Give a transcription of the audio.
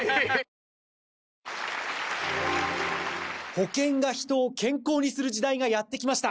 保険が人を健康にする時代がやってきました！